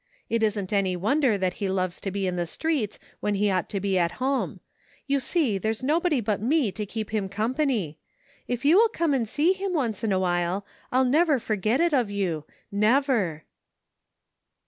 It isn't any wonder that he loves to be in the streets when he ought to be at home ; you see there's nobody but me to keep him company. If you will come and see him once in a while I'll never forget it of you, never."